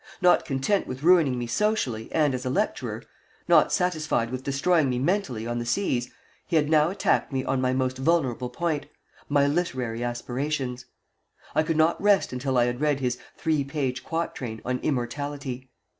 Not content with ruining me socially, and as a lecturer; not satisfied with destroying me mentally on the seas, he had now attacked me on my most vulnerable point, my literary aspirations. I could not rest until I had read his "three page quatrain" on "Immortality."